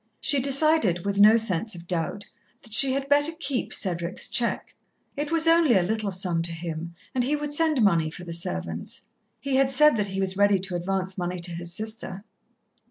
She decided, with no sense of doubt, that she had better keep Cedric's cheque. It was only a little sum to him, and he would send money for the servants. He had said that he was ready to advance money to his sister.